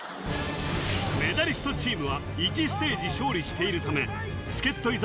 メダリストチームは１ステージ勝利しているため助っ人伊沢